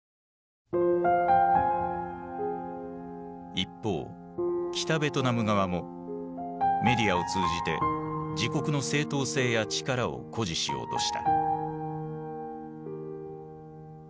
一方北ベトナム側もメディアを通じて自国の正当性や力を誇示しようとした。